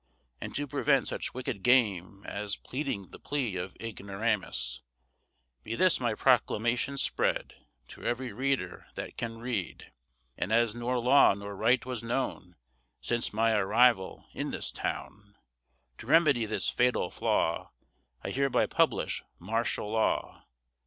And to prevent such wicked game, as Pleading the plea of ignoramus, Be this my proclamation spread To every reader that can read: And as nor law nor right was known Since my arrival in this town, To remedy this fatal flaw, I hereby publish martial law.